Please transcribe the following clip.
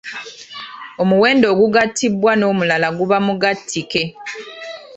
Omuwendo ogugattibwa n'omulala guba mugattike.